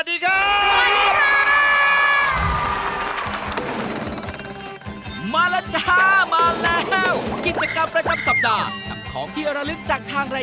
ได้แล้วค่ะแม่ขา